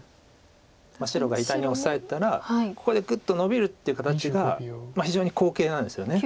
白が左にオサえたらここでグッとノビるって形が非常に好形なんですよね。